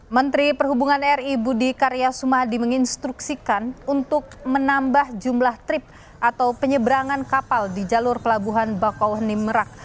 menteri perhubungan ri budi karyasumah dimenginstruksikan untuk menambah jumlah trip atau penyeberangan kapal di jalur pelabuhan bakau nimerak